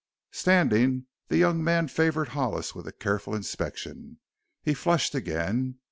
Standing, the young man favored Hollis with a careful inspection. He flushed again.